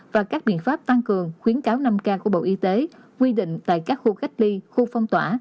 và các biện pháp tăng cường khuyến cáo năm k của bộ y tế quy định tại các khu cách ly khu phong tỏa